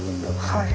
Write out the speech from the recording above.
はい。